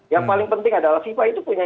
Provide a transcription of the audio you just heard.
yang paling penting adalah fifa itu punya